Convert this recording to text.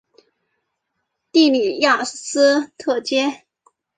的里雅斯特街。